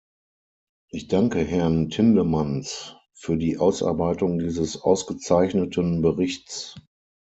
Ich danke Herrn Tindemans für die Ausarbeitung dieses ausgezeichneten Berichts.